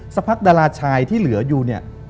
สักพักดาราชายที่เหลืออยู่เนี่ย